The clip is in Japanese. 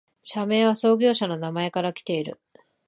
社名は創業者の名前からきている